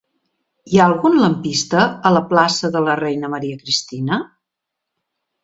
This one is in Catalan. Hi ha algun lampista a la plaça de la Reina Maria Cristina?